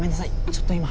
ちょっと今。